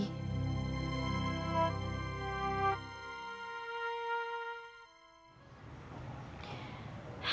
aku itu sebel sama sakti